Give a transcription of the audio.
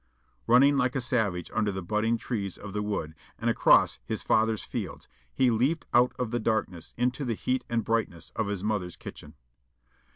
Running like a savage under the budding trees of the wood and across his father's fields, he leaped out of the darkness into the heat and brightness of his mother's kitchen.